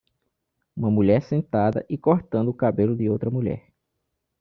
Uma mulher sentada e cortando o cabelo de outra mulher.